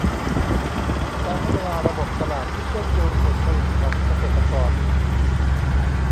การพัฒนาระบบตลาดที่เชื่อมโยงผลผลิตของเกษตรกร